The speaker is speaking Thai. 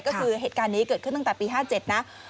ก็คือเหตุการณ์นี้เกิดขึ้นตั้งแต่ปี๕๗นะ